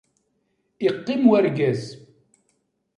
Iqqim wergaz.